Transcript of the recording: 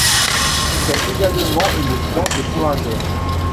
C'est également une plante fourragère.